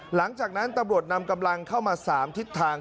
หลังจากนั้นตำรวจนำกำลังเข้ามา๓ทิศทาง